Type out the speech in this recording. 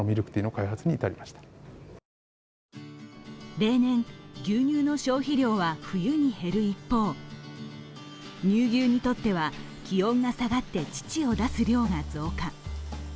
例年、牛乳の消費量は冬に減る一方、乳牛にとっては気温が下がって乳を出す量が増加。